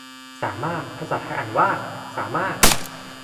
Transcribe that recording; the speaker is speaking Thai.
สามารถ ภาษาไทยอ่านว่าสา มาด